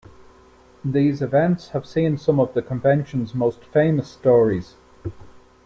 These events have seen some of the Convention's most famous stories.